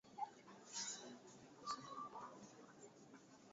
mabomu na silaha zingine ambazo zingeenda kutumika katika kulinda